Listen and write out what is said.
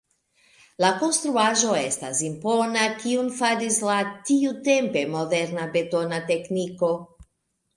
La konstruaĵo estas impona, kiun faris la tiutempe moderna betona tekniko.